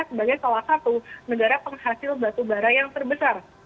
sebagai salah satu negara penghasil batubara yang terbesar